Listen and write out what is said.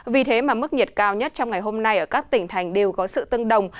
vì thế mà mức nhiệt cao nhất trong ngày hôm nay ở các tỉnh thành đều có sự tương đồng